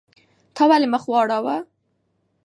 تا ولې مخ واړاوه؟